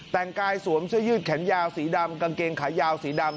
แต่งกายสวมเสื้อยืดแขนยาวสีดำกางเกงขายาวสีดำ